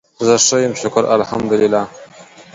زه ښه یم شکر الحمدالله